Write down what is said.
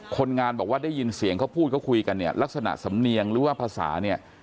คนงานบอกว่าได้ยินเสียงเขาพูดเขาคุยกันเนี่ยลักษณะสำเนียงหรือว่าภาษาเนี่ย